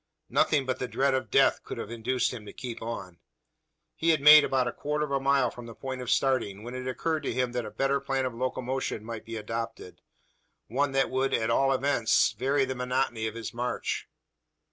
Nothing but the dread of death could have induced him to keep on. He had made about a quarter of a mile from the point of starting, when it occurred to him that a better plan of locomotion might be adopted one that would, at all events, vary the monotony of his march.